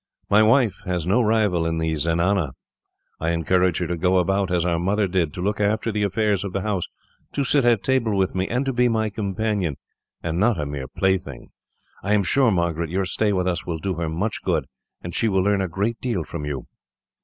"My wife has no rival in the zenana. I encourage her to go about, as our mother did, to look after the affairs of the house, to sit at table with me, and to be my companion, and not a mere plaything. I am sure, Margaret, your stay with us will do her much good, and she will learn a great deal from you."